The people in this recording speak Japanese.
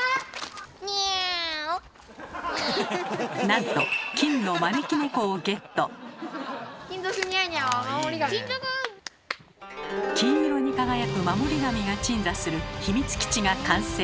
なんと金色に輝く守り神が鎮座する秘密基地が完成。